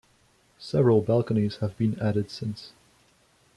Several balconies have been added since.